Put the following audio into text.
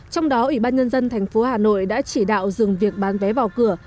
trong đó ủy ban nhân dân thành phố hà nội đã chỉ đạo dừng việc bán vé vào cửa